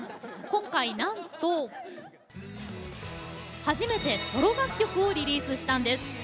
今回、なんと初めてソロ楽曲をリリースしたんです。